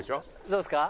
どうですか？